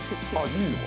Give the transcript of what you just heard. いいよ。